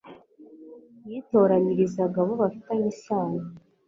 yitoranyirizaga abo bafitanye isano